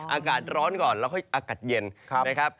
อากาศร้อนก่อนแล้วค่อยอากาศเย็นนะครับ